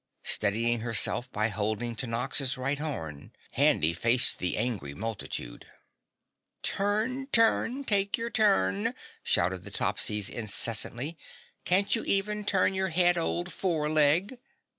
Steadying herself by holding to Nox's right horn, Handy faced the angry multitude. "Turn! Turn! Take your turn!" shouted the Topsies incessantly. "Can't you even turn your head old four leg!"